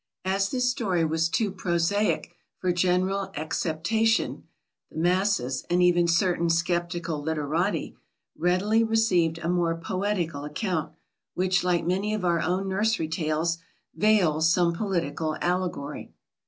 As this story was too prosaic for general acceptation, the masses, and even certain sceptical literati, readily received a more poetical account, which, like many of our own nursery tales, veils some political allegory.